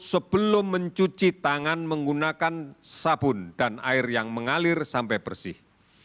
sebelum mencuci tangan menggunakan sabun dan air yang mengalir sampai bersih